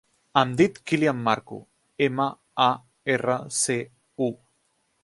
Em dic Kylian Marcu: ema, a, erra, ce, u.